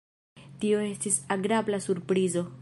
Tio estis agrabla surprizo.